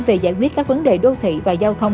về giải quyết các vấn đề đô thị và giao thông